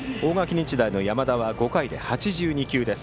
日大の山田は５回で８２球です。